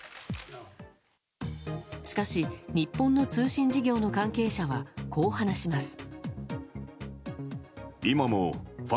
しかし、日本の通信事業の関係者はこう話します。